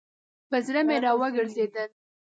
پر زړه مي راوګرځېدل .